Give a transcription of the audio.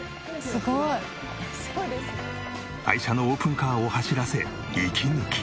「すごい！」愛車のオープンカーを走らせ息抜き。